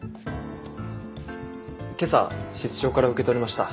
今朝室長から受け取りました。